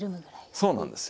そうなんですよ。